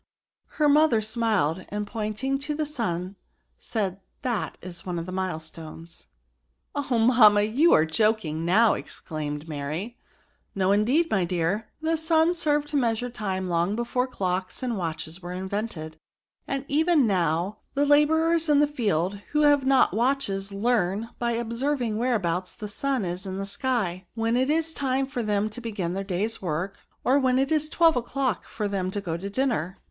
Her mother smiled ; and pointing to the sim^ said that is one of the milestones." *' Oh, mamma, you are joking now," ex claimed Mary. |f?t " No, indeed, my dear. The sun served to measure time long before clocks and watches were invented ; and even now, the la bourers in the fields, who have not watches, learn, by observing whereabouts the sun is in the sky, when it is time for them to begin their day's work, or when it is twelve o'clock, for them to go to dinner.